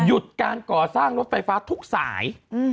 การก่อสร้างรถไฟฟ้าทุกสาย